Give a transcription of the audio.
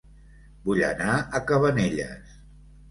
Vull anar a Cabanelles